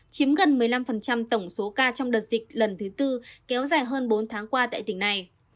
chiếm gần một mươi năm tổng số ca trong đợt dịch lần thứ tư kéo dài hơn bốn tháng qua tại tỉnh này